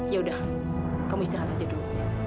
yaudah kamu istirahat aja dulu